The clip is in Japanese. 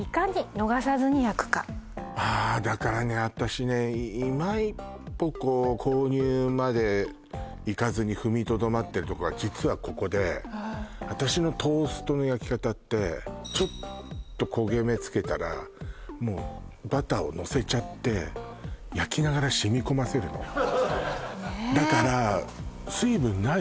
私ねいま一歩こう購入までいかずに踏みとどまってるとこは実はここで私のトーストの焼き方ってちょっと焦げ目つけたらもうバターをのせちゃって焼きながら染み込ませるのねえだから水分ない